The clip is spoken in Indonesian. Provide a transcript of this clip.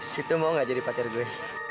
situ mau gak jadi pacar gue